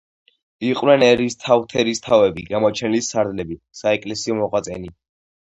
იყვნენ ერისთავთერისთავები, გამოჩენილი სარდლები, საეკლესიო მოღვაწენი.